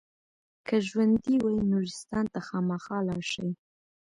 که ژوندي وي نورستان ته خامخا لاړ شئ.